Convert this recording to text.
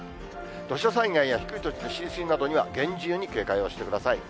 土砂災害や低い土地の浸水などには厳重に警戒をしてください。